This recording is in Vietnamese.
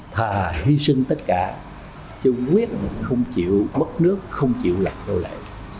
thà hy sinh tất cả chứ quyết không chịu mất nước không chịu lạc đô lệ